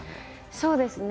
そうですね。